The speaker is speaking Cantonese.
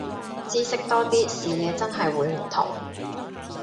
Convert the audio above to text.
知識多啲，視野真係會唔同